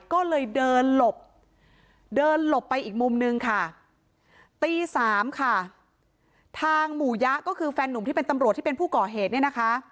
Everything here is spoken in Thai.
ก็เลยเดินหลบเดินหลบไปอีกมุมนึงค่ะตีสามค่ะทางหมู่ยะก็คือแฟนนุ่มที่เป็นตำรวจที่เป็นผู้ก่อเหตุเนี่ยนะคะ